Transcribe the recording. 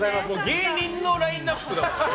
芸人のラインアップだから。